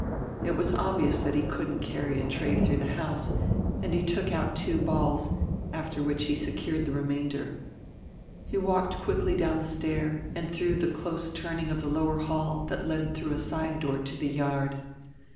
It was obvious that he couldn't carry a tray through the house, and he took out two balls, after which he secured the remainder. He walked quickly down the stair and through the close turning of the lower hall that led through a side door to the yard.